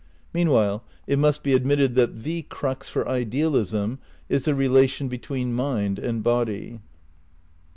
Meanwhile it must be admitted that the crux for idealism is the relation between mind and body.